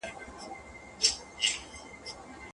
له ویري سره مخامخ کېدل د باور لاره ده.